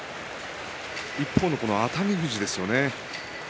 一方の熱海富士ですよね。